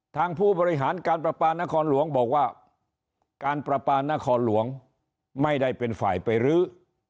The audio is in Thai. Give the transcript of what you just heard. ผู้บริหารการประปานครหลวงบอกว่าการประปานครหลวงไม่ได้เป็นฝ่ายไปรื้อ